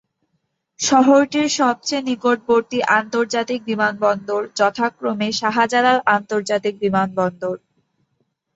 শহরটির সবচেয়ে নিকটবর্তী আন্তর্জাতিক বিমানবন্দর যথাক্রমে শাহজালাল আন্তর্জাতিক বিমানবন্দর।